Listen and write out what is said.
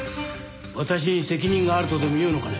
私に責任があるとでも言うのかね？